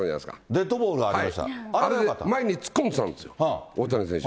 デッドボールが当たりました、前に突っ込んでたんですよ、大谷選手。